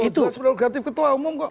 itu sebenarnya kreatif ketua umum kok